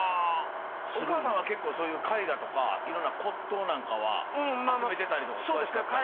お母さんが結構そういう絵画とかいろんな骨董なんかは集めてたりとか詳しかったり？